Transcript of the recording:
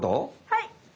はい！